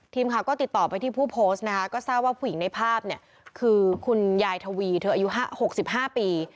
ทีมข่าวก็ติดต่อไปที่ผู้โพสต์นะคะก็ทราบว่าผู้หญิงในภาพเนี่ยคือคุณยายทวีเธออายุ๖๕ปี